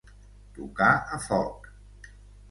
Tocar a foc.